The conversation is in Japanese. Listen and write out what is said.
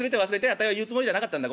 あたいは言うつもりじゃなかったんだ。